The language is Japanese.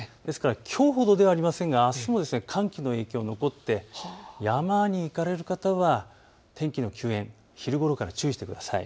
きょうほどではありませんがあすも寒気の影響、残って山に行かれる方は天気の急変昼ごろから注意してください。